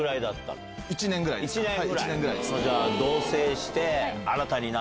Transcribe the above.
じゃあ。